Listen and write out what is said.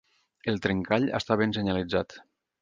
El trencall està ben senyalitzat.